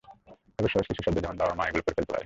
তবে সহজ কিছু শব্দ যেমন বাবা, মামা এগুলো পড়ে ফেলতে পারে।